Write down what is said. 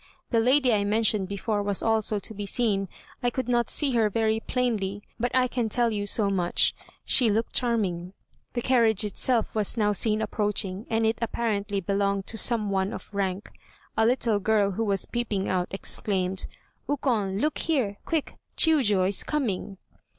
The lady I mentioned before was also to be seen; I could not see her very plainly, but I can tell you so much: she looked charming. The carriage itself was now seen approaching, and it apparently belonged to some one of rank. A little girl who was peeping out exclaimed, "Ukon, look here, quick, Chiûjiô is coming."